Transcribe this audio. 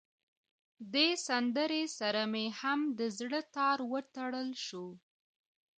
دې سندره سره مې هم د زړه تار وتړل شو.